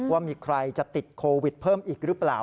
ว่ามีใครจะติดโควิดเพิ่มอีกหรือเปล่า